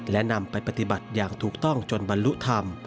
และนำไปปฏิบัติอย่างถูกต้องจนบรรลุธรรม